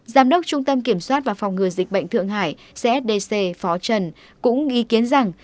giám đốc trung tâm kiểm soát và phòng ngừa dịch bệnh thượng hải csdc phó trần cũng ý kiến rằng